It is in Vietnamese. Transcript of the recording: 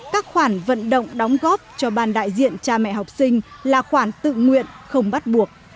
các khoản vận động đóng góp cho ban đại diện cha mẹ học sinh là khoản tự nguyện không bắt buộc